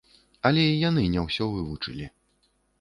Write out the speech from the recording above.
Але і яны не ўсё вывучылі.